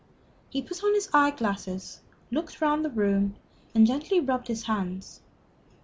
He put on his eye glasses, looked round the room, and gently rubbed his hands.